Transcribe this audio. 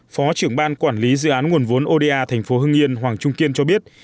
phó trưởng ban quản lý dự án nguồn vốn oda thành phố hưng yên hoàng trung kiên cho biết